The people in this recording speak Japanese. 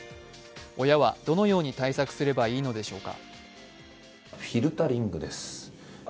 親はどのように対策すればいいのでしょうか。